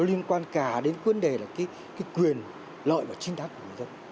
liên quan cả đến vấn đề quyền lợi và chính đáng của người dân